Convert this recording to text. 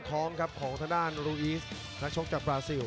ของทางด้านลูอีสนักชกจากบราซิล